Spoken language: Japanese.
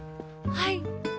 はい。